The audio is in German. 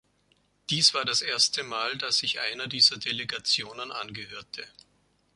Dies war das erste Mal, dass ich einer dieser Delegationen angehörte.